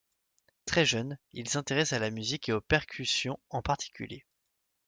Très jeune, il s'intéresse à la musique et aux percussions en particulier.